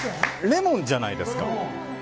レモンじゃないですか。